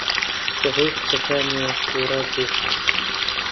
بەهۆی قسەکانیەوە تووڕە بوو.